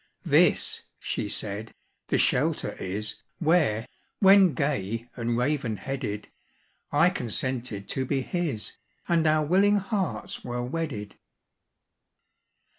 "This," she said, "the shelter is, Where, when gay and raven headed, I consented to be his, And our willing hearts were wedded.